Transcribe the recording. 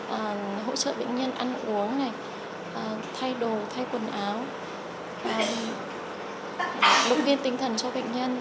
ví dụ như là hỗ trợ bệnh nhân ăn uống thay đồ thay quần áo bụng viên tinh thần cho bệnh nhân